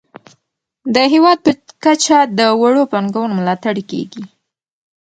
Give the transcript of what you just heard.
د هیواد په کچه د وړو پانګونو ملاتړ کیږي.